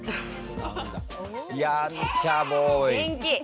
やんちゃボーイ！元気。